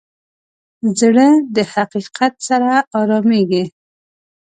زړه د حقیقت سره ارامېږي.